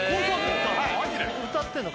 歌ってんの？